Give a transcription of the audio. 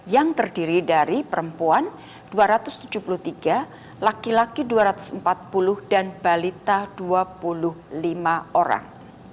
yang terdiri dari perempuan dua ratus tujuh puluh tiga laki laki dua ratus empat puluh dan balita dua puluh lima orang